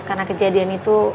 karena kejadian itu